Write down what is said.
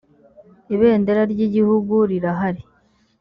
ibendera ry igihugu rirahari